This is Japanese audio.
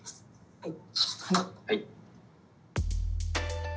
・はい。